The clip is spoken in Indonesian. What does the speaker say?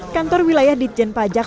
kantor wilayah ditjen pajak